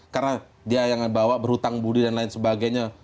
karena dia yang bawa berhutang budi dan lain sebagainya